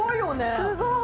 すごい。